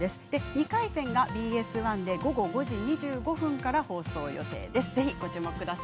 ２回戦がＢＳ１で午後５時２５分から放送予定です。